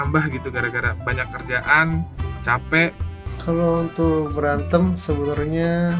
baru baru tiga bulan